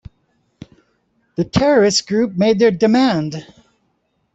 The terrorist group made their demand.